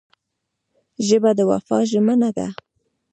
ژبه د وفا ژمنه ده